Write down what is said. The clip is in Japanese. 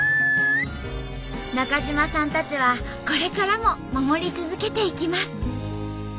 中島さんたちはこれからも守り続けていきます。